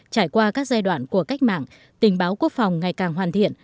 trải qua các giai đoạn của cách mạng tình báo quốc phòng ngày càng hoàn thiện